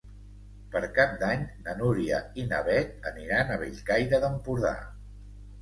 Per Cap d'Any na Núria i na Beth aniran a Bellcaire d'Empordà.